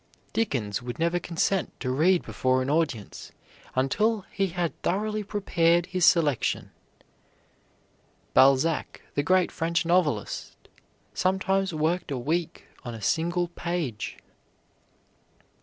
Dickens would never consent to read before an audience until he had thoroughly prepared his selection. Balzac, the great French novelist, sometimes worked a week on a single page.